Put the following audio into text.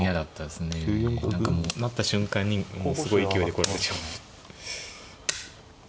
何かもう成った瞬間にすごい勢いで来られちゃう。